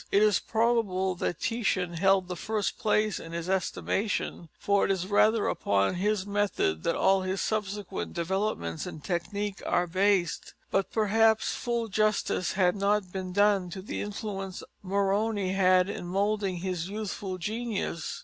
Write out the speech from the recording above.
It is probable that Titian held the first place in his estimation, for it is rather upon his method that all his subsequent developments in technique are based. But perhaps full justice has not been done to the influence Moroni had in moulding his youthful genius.